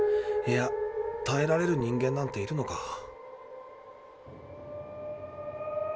いやたえられる人間なんているのか？